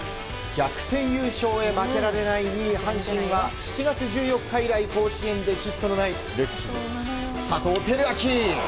逆転優勝へ負けられない２位、阪神は７月１４日以来甲子園でヒットのないルーキー、佐藤輝明。